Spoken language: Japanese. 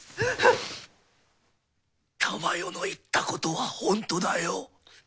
珠世の言ったことはホントだよ。